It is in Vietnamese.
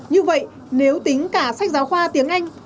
như vậy nếu tính cả sách giáo khoa tiếng anh